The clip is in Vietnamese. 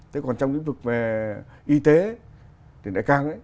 thế còn trong kinh tức về y tế thì lại càng